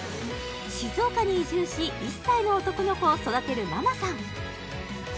静岡に移住し１歳の男の子を育てるママさん